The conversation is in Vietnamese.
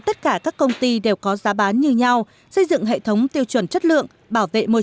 tất cả các công ty đều có giá bán như nhau xây dựng hệ thống tiêu chuẩn chất lượng bảo vệ môi